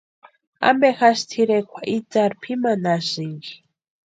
¿Ampe jásï tʼirekwa itsarhu pʼimanhasïnki?